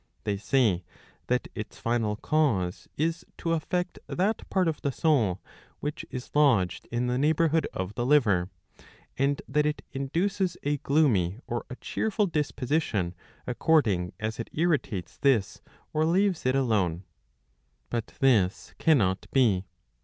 They say that its final cause is to affect that part of the soul which is lodged in the neighbourhood of the liver, and that it induces a gloomy or a cheerful disposition,' according as it irritates this or leaves' it alone. But this cannot be.